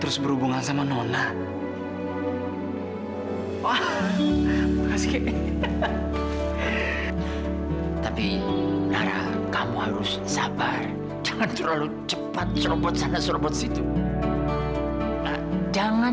sampai jumpa di video selanjutnya